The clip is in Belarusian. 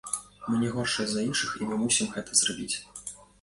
Мы не горшыя за іншых і мы мусім гэта зрабіць.